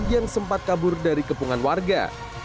yang sempat kabur dari kepungan warga